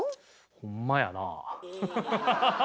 ほんまやなあ。